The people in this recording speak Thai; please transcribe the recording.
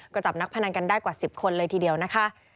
ก็จับนักพนันกันได้กว่า๑๐คนเลยทีเดียวนะคะ